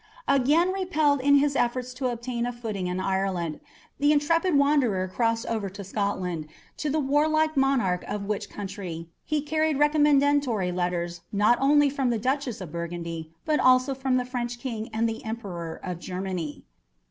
Again repelled in his efforts to obtain a footing in Ireland, the intrepid wanderer crossed over to Scotland, to the warlike monarch of which country he carried recommendatory letters not only from the Duchess of Burgundy, but also from the French King and the Emperor of Germany.